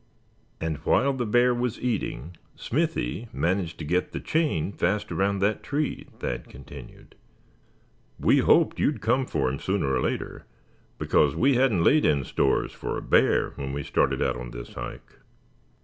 "And while the bear was eating, Smithy managed to get the chain fast around that tree," Thad continued. "We hoped you'd come for him, sooner or later, because we hadn't laid in stores for a bear when we started out on this hike.